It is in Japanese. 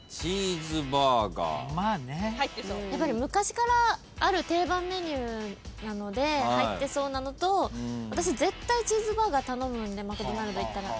やっぱり昔からある定番メニューなので入ってそうなのと私絶対チーズバーガー頼むんでマクドナルド行ったら。